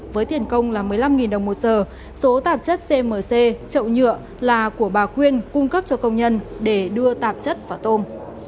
với tiền công là một mươi năm đồng một giờ số tạp chất cmc chậu nhựa là của bà quyên cung cấp cho công nhân để đưa tạp chất vào tôm